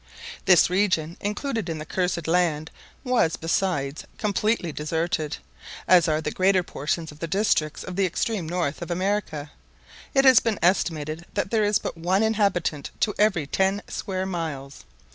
This region, included in the "Cursed Land," was, besides, completely deserted, as are the greater portion of the districts of the extreme north of America. It has been estimated that there is but one inhabitant to every ten square miles.